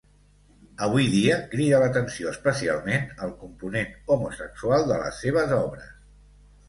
Avui dia, crida l'atenció especialment el component homosexual de les seves obres.